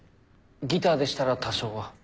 ギターでしたら多少は。